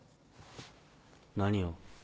何を？